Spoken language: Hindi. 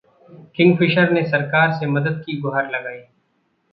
किंगफिशर ने सरकार से मदद की गुहार लगाई